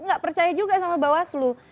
gak percaya juga sama bawah selu